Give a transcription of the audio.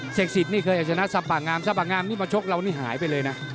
เศษศิษฐ์นี่เคยอยากจะนัดซับปะงามซับปะงามนี่มาชกเรานี่หายไปเลยนะ